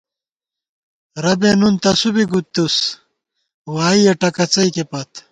ربے نُن تسُو بی گُتُس، وائیَہ ٹکَڅَئیکےپت